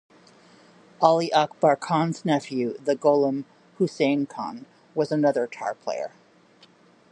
Ali Akbar Khan's nephew the Gholam Hossein Khan was another tar player.